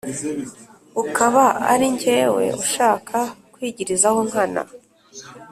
ukaba ari jyewe ushyaka kwigirizaho nkana